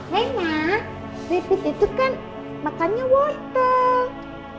rena rebit itu kan makannya wotong